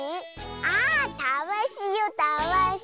あたわしよたわし。